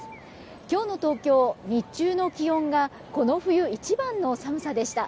今日の東京、日中の気温がこの冬一番の寒さでした。